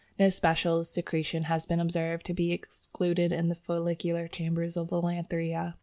No special secretion has been observed to be exuded in the foliar chambers of Lathraea.